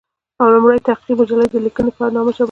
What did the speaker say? او لومړۍ تحقيقي مجله يې د "ليکنې" په نامه چاپ کړه